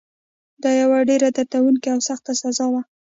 دا یوه ډېره دردونکې او سخته سزا وه.